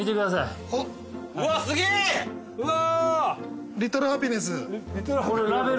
うわ！